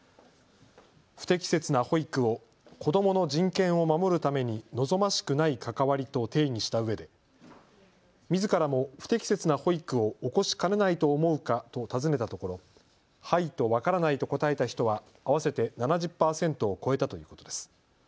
不適切な保育を子どもの人権を守るために望ましくない関わりと定義したうえでみずからも不適切な保育を起こしかねないと思うかと尋ねたところ、はいとわからないと答えた人は合わせて７０％を超えたということです。